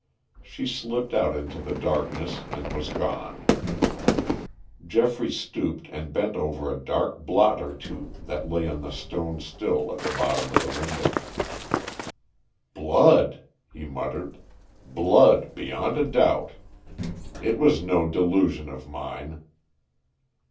She slipped out into the darkness and was gone. Geoffrey stooped and bent over a dark blot or two that lay on the stone still at the bottom of the window. "Blood," he muttered, "blood beyond a doubt. It was no delusion of mine."